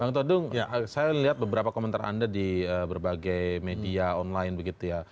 pang todong ya saya lihat beberapa komentar anda di berbagai media online begitu ya